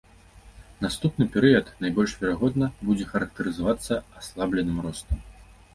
Наступны перыяд, найбольш верагодна, будзе характарызавацца аслабленым ростам.